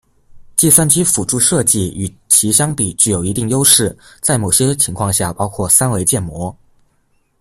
计算机辅助设计与其相比具有一些优势，在某些情况下包括三维建模。